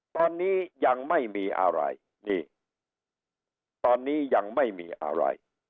ตอนนี้ยังไม่มีอะไรนี่ตอนนี้ยังไม่มีอะไร